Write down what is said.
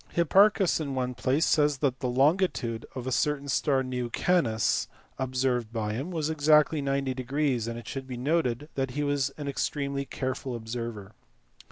Hipparchus in one place says that the longitude of a certain star rj Canis observed by him was exactly 90, and it should be noted that he was an extremely careful observer.